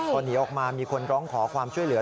พอหนีออกมามีคนร้องขอความช่วยเหลือ